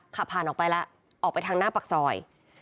ขับผ่านออกไปแล้วออกไปทางหน้าปากซอย